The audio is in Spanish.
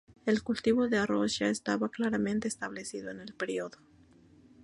El cultivo de arroz ya estaba claramente establecido en el periodo.